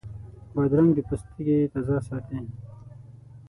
بادرنګ د پوستکي تازه ساتي.